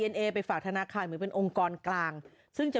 นั่นก็คือนัทฮะ